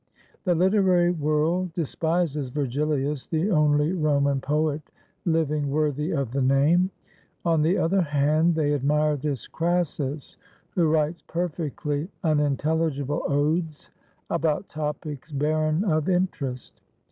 The literary world despises Vergilius (the only Roman poet living worthy of the name !); on the other hand they admire this Crassus, who writes perfectly unintelligible odes about topics barren of interest.